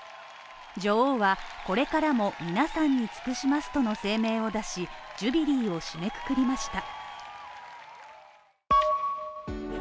女王は、これからも皆さんに尽くしますとの声明を出し、ジュビリーを締めくくりました。